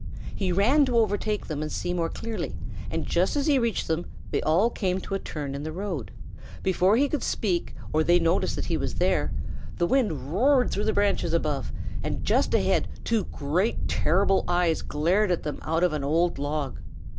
He ran to overtake them and see more clearly, and just as he reached them they all came to a turn in the road. Before he could speak or they could notice that he was there, the wind roared through the branches above, and just ahead two terrible great eyes glared at them out of an old log.